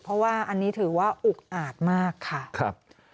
เพราะว่าอันนี้ถือว่าอุกอาจมากค่ะครับ